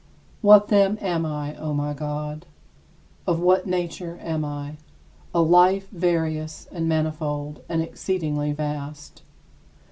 What, then, am I, O my God? Of what nature am I? A life various, and manifold, and exceedingly vast.